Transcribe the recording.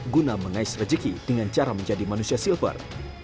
guna mengais rejeki dengan cara menjadi manusia silver